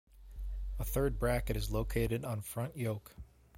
A third bracket is located on front yoke.